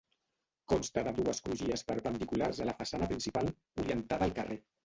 Consta de dues crugies perpendiculars a la façana principal, orientada al carrer.